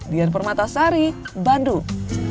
dian permatasari bandung